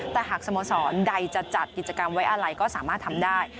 แต่หากสโมสรใดจะจัดกิจกรรมไว้อะไรก็สามารถทำได้